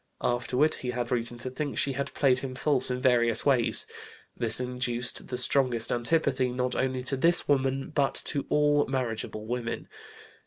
Afterward he had reason to think she had played him false in various ways. This induced the strongest antipathy, not only to this woman, but to all marriageable women.